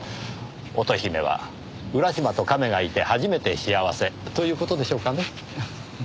乙姫は浦島と亀がいて初めて幸せという事でしょうかね。